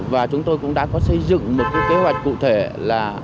và chúng tôi cũng đã có xây dựng một cái kế hoạch cụ thể là